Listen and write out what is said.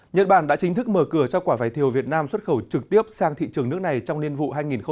nhật bản đã chính thức mở cửa cho quả vải thiều việt nam xuất khẩu trực tiếp sang thị trường nước này trong niên vụ hai nghìn hai mươi